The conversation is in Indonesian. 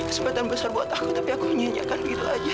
ini kesempatan besar buat aku tapi aku nyanyikan begitu aja